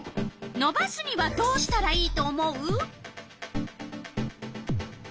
のばすにはどうしたらいいと思う？